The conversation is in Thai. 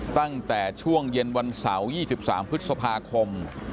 ตั้งแต่ช่วงเย็นวันเสาร์๒๓พฤษภาคม